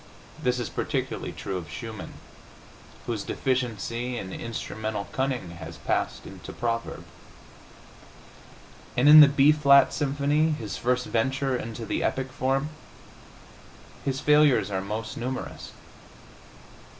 This is particularly true of Schumann, whose deficiency in instrumental cunning has passed into proverb. And in the B flat symphony, his first venture into the epic form, his failures are most numerous.